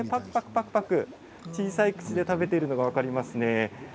ぱくぱく小さい口で食べているのが分かりますね。